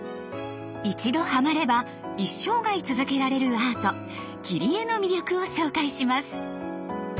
一度ハマれば一生涯続けられるアート「切り絵」の魅力を紹介します。